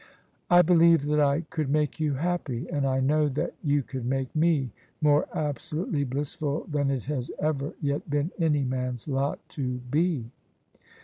" I believe that I could make you happy: and I know that you could make me more absolutely blissful than it has ever yet been any man's lot to be."